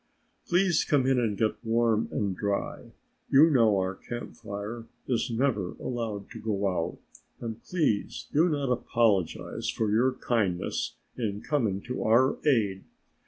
"Please come in and get warm and dry, you know our Camp Fire is never allowed to go out, and please do not apologize for your kindness in coming to our aid."